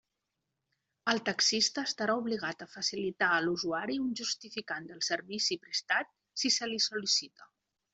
El taxista estarà obligat a facilitar a l'usuari un justificant del servici prestat si se li sol·licita.